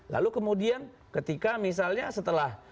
lalu kemudian ketika misalnya setelah